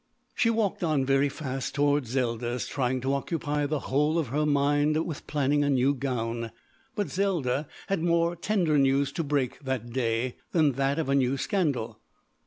She walked on very fast toward Zelda's, trying to occupy the whole of her mind with planning a new gown. But Zelda had more tender news to break that day than that of a new scandal.